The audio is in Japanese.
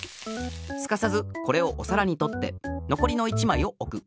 すかさずこれをおさらにとってのこりの１まいをおく。